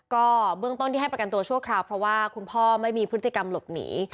ก็เบื้องต้นที่ให้ประกันตัวชั่วคราวเพราะว่าคุณพ่อไม่มีพฤติกรรมหลบหนี